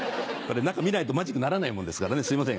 中見ないとマジックにならないもんですからねすいません。